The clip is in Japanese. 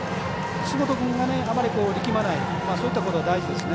楠本君は、あまり力まないことがそういったことが大事ですね。